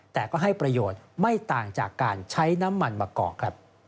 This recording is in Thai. แต่ก็ให้ประโยชน์ไม่ต่างจากการใช้น้ำมันมากอก